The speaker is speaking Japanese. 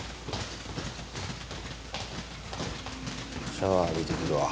シャワー浴びてくるわ。